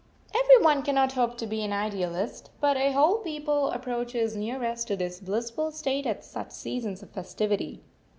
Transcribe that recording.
Every one cannot hope to be an Idealist, but a whole people approaches nearest to this blissful state at such seasons of festivity.